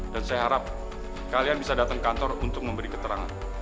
dan saya harap kalian bisa datang ke kantor untuk memberi keterangan